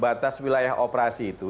batas wilayah operasi itu